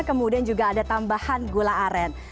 kemudian juga ada tambahan gula aren